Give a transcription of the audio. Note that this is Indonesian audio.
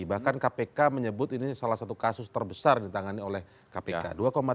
bahkan kpk menyebut ini salah satu kasus terbesar ditangani oleh kpk